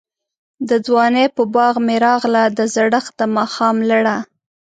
دځوانۍپه باغ می راغله، دزړښت دماښام لړه